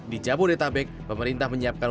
di jabodetabek pemerintah menyiapkan